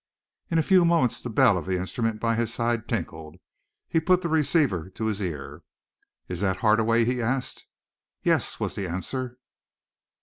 In a few moments the bell of the instrument by his side tinkled. He put the receiver to his ear. "Is that Hardaway?" he asked. "Yes!" was the answer.